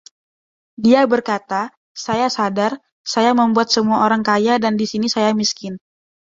Dia berkata, "Saya sadar, saya membuat semua orang kaya, dan di sini saya miskin."